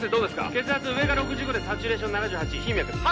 血圧上が６５でサチュレーション７８頻脈です